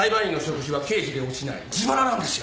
自腹なんですよ。